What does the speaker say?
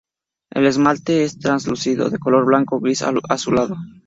El esmalte es translúcido, de color blanco o gris azulado.